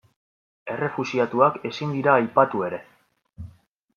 Errefuxiatuak ezin dira aipatu ere.